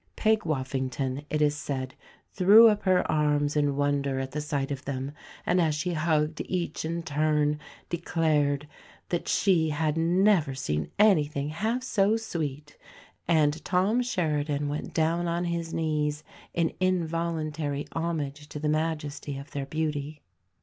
Peg Woffington, it is said, threw up her arms in wonder at the sight of them, and, as she hugged each in turn, declared that she "had never seen anything half so sweet"; and Tom Sheridan went down on his knees in involuntary homage to the majesty of their beauty.